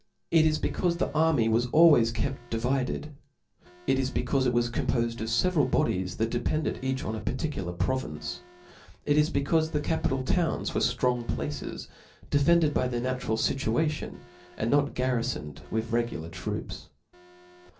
It is becaufe the army was always kept divided ; it is becaufe it was compofed of feveral bodies that depended each on a particular pro vince ; it is becaufe the capital towns were ftix>ng places, defended by their natural fituation, aiKl not garhfoned with regular troops.